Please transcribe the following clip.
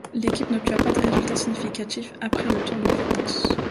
L'équipe n'obtient pas de résultats significatifs après le Tour de France.